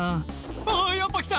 「うわやっぱ来た！